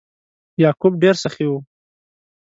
یعقوب ډیر سخي و.